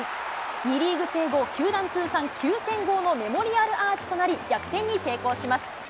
２リーグ制後、球団通算９０００号のメモリアルアーチとなり、逆転に成功します。